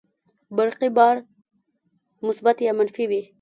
برقي بار مثبت یا منفي وي.